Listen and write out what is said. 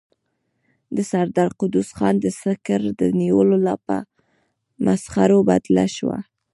د سردار قدوس خان د سکر د نيولو لاپه په مسخرو بدله شوه.